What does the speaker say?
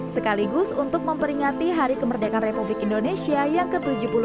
sekaligus untuk memperingati hari kemerdekaan republik indonesia yang ke tujuh puluh dua